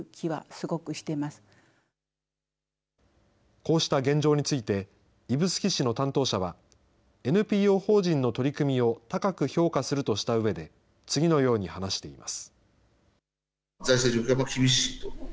こうした現状について、指宿市の担当者は、ＮＰＯ法人の取り組みを高く評価するとしたうえで、次のように話しています。